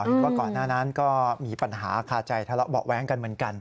เห็นว่าก่อนหน้านั้นก็มีปัญหาคาใจทะเลาะเบาะแว้งกันเหมือนกัน